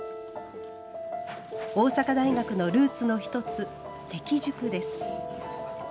大阪大学のルーツの１つ適塾です。